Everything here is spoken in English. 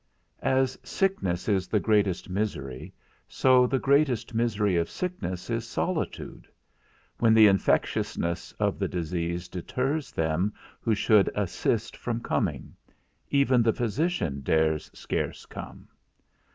As sickness is the greatest misery, so the greatest misery of sickness is solitude; when the infectiousness of the disease deters them who should assist from coming; even the physician dares scarce come.